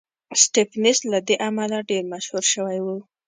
سټېفنس له دې امله ډېر مشهور شوی و